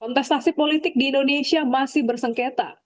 kontestasi politik di indonesia masih bersengketa